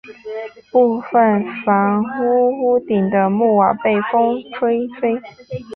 部分房屋屋顶的木瓦被风吹飞。